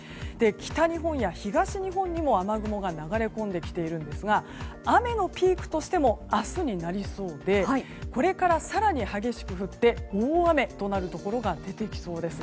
北日本や東日本にも雨雲が流れ込んできているんですが雨のピークとしても明日になりそうでこれから更に激しく降って大雨になるところが出てきそうです。